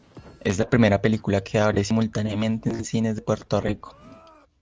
Es la primera película que abre simultáneamente en cines de Puerto Rico.